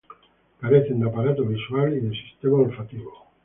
Carecen de aparato visual y de sistema olfativo.